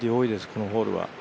このホールは。